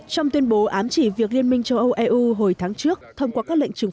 trong tuyên bố ám chỉ việc liên minh châu âu eu hồi tháng trước thông qua các lệnh trừng